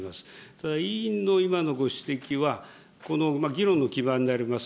ただ、委員の今のご指摘はこの議論の基盤であります